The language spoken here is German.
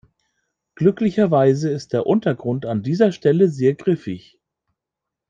Glücklicherweise ist der Untergrund an dieser Stelle sehr griffig.